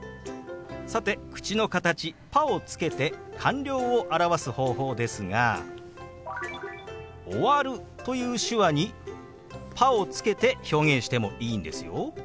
さて口の形「パ」をつけて完了を表す方法ですが「終わる」という手話に「パ」をつけて表現してもいいんですよ。